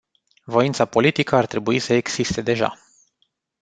Voința politică ar trebui să existe deja.